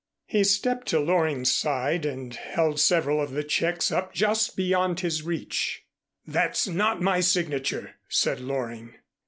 He stepped to Loring's side and held several of the checks up just beyond his reach. "That's not my signature," said Loring.